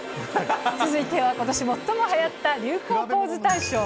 続いてはことし最もはやった流行ポーズ大賞。